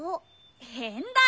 へんだよ。